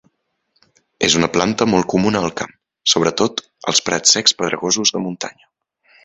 És una planta molt comuna al camp, sobretot als prats secs pedregosos de muntanya.